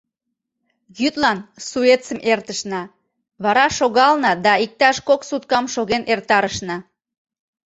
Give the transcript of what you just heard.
Йӱдлан Суэцым эртышна, вара шогална да иктаж кок суткам шоген эртарышна.